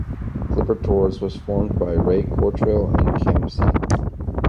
Clipper Tours was formed by Ray Cotrill in Campsie.